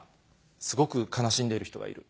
すごく悲しんでいる人がいる。